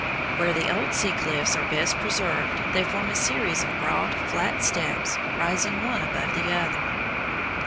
Where the old sea cliffs are best preserved they form a series of broad, flat steps, rising one above the other.